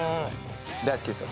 大好きですよ。